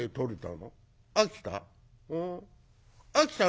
秋田？